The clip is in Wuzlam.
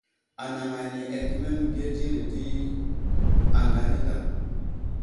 Anaŋ ane atəmeŋ məgiya dzire di aŋga anidaw.